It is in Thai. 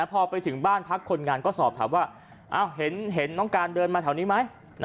พอไปถึงบ้านพักคนงานก็สอบถามว่าเห็นน้องการเดินมาแถวนี้ไหม